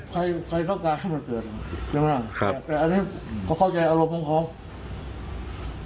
ใครใครต้องการให้มันเกิดใช่ไหมครับแต่อันนี้เขาเข้าใจอารมณ์ของเขา